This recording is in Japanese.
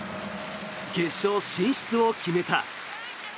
決勝進出を決めた。